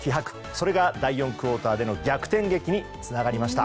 それが、第４クオーターでの逆転劇につながりました。